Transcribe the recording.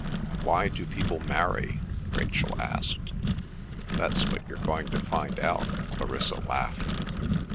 "Why do people marry?" Rachel asked. "That's what you're going to find out," Clarissa laughed.